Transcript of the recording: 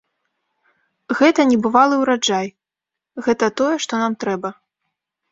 Гэта небывалы ўраджай, гэта тое, што нам трэба.